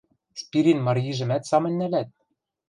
– Спирин Марйижӹмӓт самынь нӓлӓт?